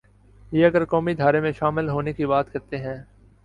یہ اگر قومی دھارے میں شامل ہونے کی بات کرتے ہیں۔